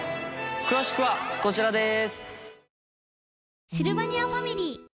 詳しくはこちらです。